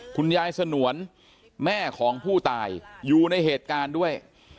คุณยายสนวนแม่ของผู้ตายอยู่ในเหตุการณ์ด้วย